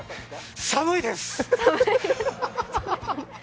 寒いです！